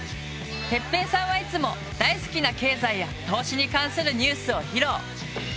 てっぺいさんはいつも大好きな経済や投資に関するニュースを披露。